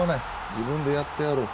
自分でやってやろう。